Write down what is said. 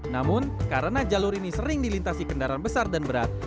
namun karena jalur ini sering dilintasi kendaraan besar dan berat